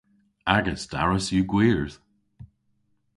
Agas daras yw gwyrdh.